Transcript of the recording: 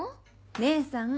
姉さん